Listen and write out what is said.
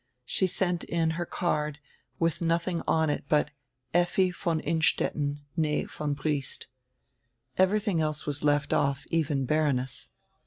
She sent in her card with nothing on it but "Effi von Innstetten, nee von Briest." Everything else was left off, even "Baroness."